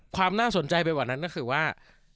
ความน่าสนใจไปกว่านั้นก็คือว่า